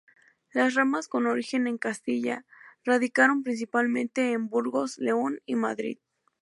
Las ramas con origen en Castilla, radicaron principalmente en Burgos, León y Madrid.